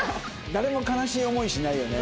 誰も悲しい思いしないよね。